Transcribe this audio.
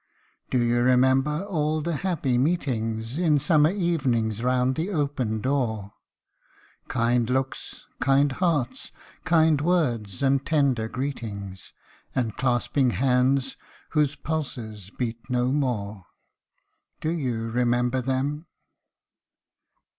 Do you remember all the happy meetings, In Summer evenings round the open door Kind looks, kind hearts, kind words and tender greetings, And clasping hands whose pulses beat no more ? Do you remember them